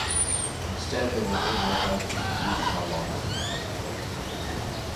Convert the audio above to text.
Instead there were old warehouses, used car lots, and vacant buildings.